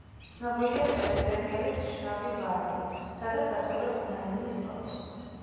ცნობილია ტელესერიალით „შავი ვარდი“, სადაც ასრულებს ნარინის როლს.